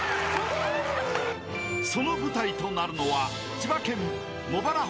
［その舞台となるのは］